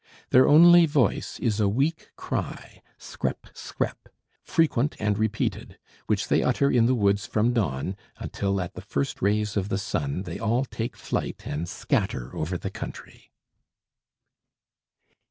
Their only voice is a weak cry, "screp, screp," frequent and repeated, which they utter in the woods from dawn, until at the first rays of the sun they all take flight and scatter over the country.